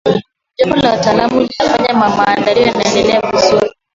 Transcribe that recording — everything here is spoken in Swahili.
jopo la wataalamu linafanya majadiliano yaende vizuri sana